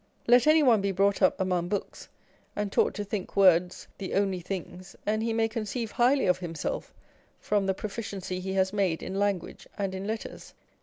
Let any one be brought up among books, and taught to think words the only things, and he may conceive highly of himself from the pro ficiency he has made in language and in letters.